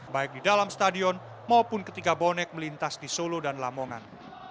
baik di dalam stadion maupun ketika bonek melintas di solo dan lamongan